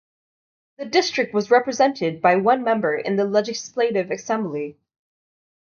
The district was represented by one member in the Legislative Assembly.